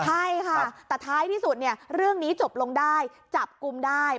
ใช่ค่ะแต่ท้ายที่สุดเนี่ยเรื่องนี้จบลงได้จับกลุ่มได้